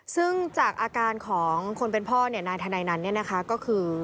ซึ่งจากอาการของคนเป็นพ่อเนี้ยนายธันายนั้นเนี้ยนะคะก็คือ